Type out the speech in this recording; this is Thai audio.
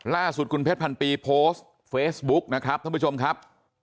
ล่าสุดคุณเพชรพันปีโพสต์เฟซบุ๊กนะครับท่านผู้ชมครับ